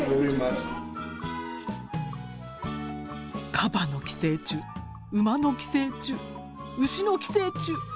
カバの寄生虫馬の寄生虫牛の寄生虫。